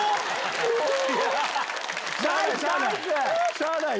しゃあない。